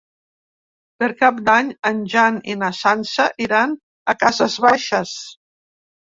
Per Cap d'Any en Jan i na Sança iran a Cases Baixes.